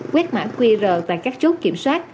quét mã qr tại các chốt kiểm soát